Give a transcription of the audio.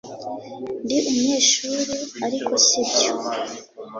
Ndi umunyeshuri ariko sibyo